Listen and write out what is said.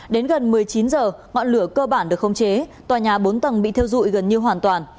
đến gần một mươi chín h ngọn lửa cơ bản được không chế tòa nhà bốn tầng bị thiêu dụi gần như hoàn toàn